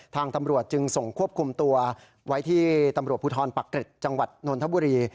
ทางตำรวจจึงส่งควบคุมตัวไว้ที่ตำรวจภูทรปักเกร็ดจังหวัดนนทบุรี